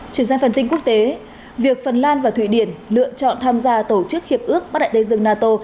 chuyển sang phần tin quốc tế việc phần lan và thụy điển lựa chọn tham gia tổ chức hiệp ước bắc đại tây dương nato